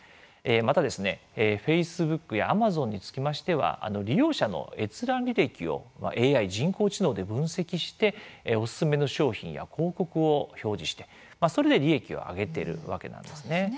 またですね、フェイスブックやアマゾンにつきましては利用者の閲覧履歴をＡＩ＝人工知能で分析しておすすめの商品や広告を表示してそれで収益を上げてるわけなんですね。